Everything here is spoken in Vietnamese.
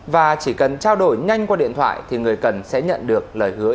và chỉ cần trao đổi nhanh qua điện thoại thì người cần sẽ nhận được lời hứa